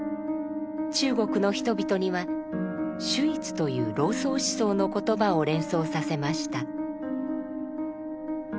中国の人々には「守一」という老荘思想の言葉を連想させました。